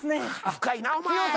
深いなお前。